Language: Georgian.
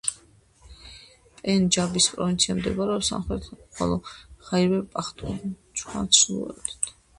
პენჯაბის პროვინცია მდებარეობს სამხრეთით, ხოლო ხაიბერ-პახტუნხვა ჩრდილოეთით.